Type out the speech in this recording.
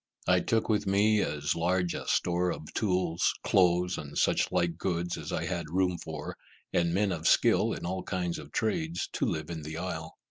I took with me as large a store of tools, clothes, and such like goods as I had room for, and men of skill in all kinds of trades, to live in the isle.